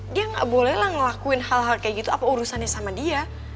dia gak bolehlah ngelakuin hal hal kayak gitu apa urusannya sama dia